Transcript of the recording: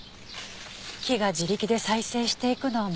木が自力で再生していくのを待つしかない。